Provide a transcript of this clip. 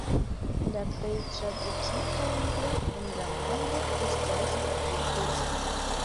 La plej tradukita libro en la mondo estas la Biblio.